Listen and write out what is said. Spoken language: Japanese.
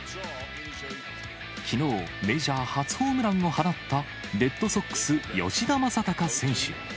きのう、メジャー初ホームランを放ったレッドソックス、吉田正尚選手。